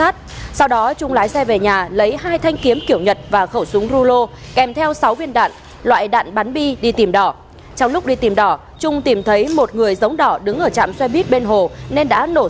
các bạn hãy đăng ký kênh để ủng hộ kênh của chúng mình nhé